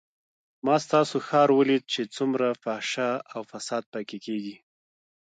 ما ستاسو ښار وليد چې څومره فحشا او فساد پکښې کېږي.